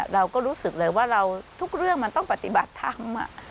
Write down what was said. เราก็รู้สึกเลยว่าเราทุกเรื่องมันต้องปฏิบัติธรรม